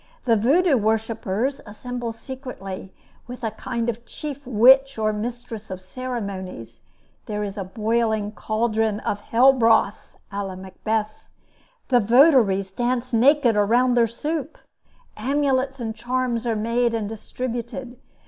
The Vaudoux worshipers assemble secretly, with a kind of chief witch or mistress of ceremonies; there is a boiling caldron of hell broth, a la Macbeth; the votaries dance naked around their soup; amulets and charms are made and distributed.